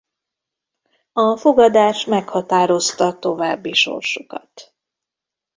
A fogadás meghatározta további sorsukat.